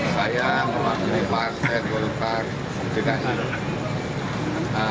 saya pak juri partai golkar dikasih